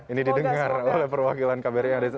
ini didengar oleh perwakilan kbri